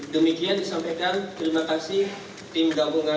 demikian disampaikan terima kasih tim gabungan